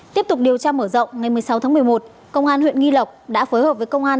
tiếp tục điều tra mở rộng ngày một mươi sáu tháng một mươi một công an huyện nghi lộc đã phối hợp với công an